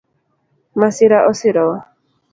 Masira osirowa